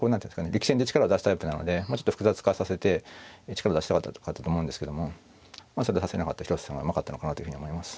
力戦で力を出すタイプなのでもうちょっと複雑化させて力を出したかったと思うんですけどもまあそうさせなかった広瀬さんはうまかったのかなというふうに思います。